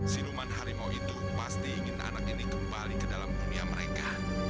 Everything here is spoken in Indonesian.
siluman harimau itu pasti ingin anak ini kembali ke dalam dunia mereka